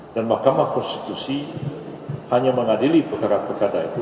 dan mahkamah konstitusi hanya mengadili perkara perkara itu